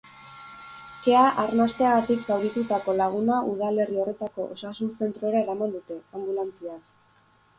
Kea arnasteagatik zauritutako laguna udalerri horretako osasun-zentrora eraman dute, anbulantziaz.